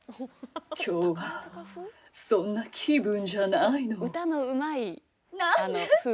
今日はそんな気分じゃないの。